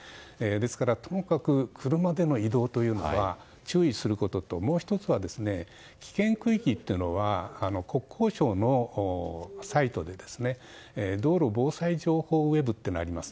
ですから、ともかく車での移動は注意することともう１つは危険区域というのは国交省のサイトで道路防災情報ウェブというのがあります。